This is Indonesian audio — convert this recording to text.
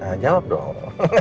nah jawab dong